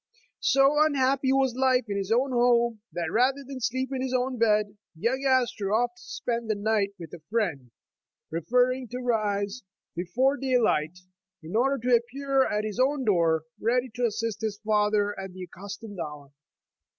So unhappy was life in his own home, that rather than sleep in his own bed, young Astor often spent the night with a friend, preferring to rise before daylight, in order to appear at his own door, ready to assist his father at the accustomed hour.